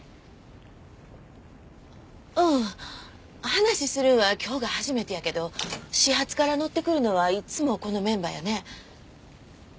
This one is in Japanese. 話するんは今日が初めてやけど始発から乗ってくるのはいつもこのメンバーやね。